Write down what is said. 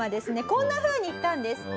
こんなふうに言ったんです。